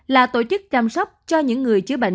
là tổ chức chăm sóc cho những người chữa bệnh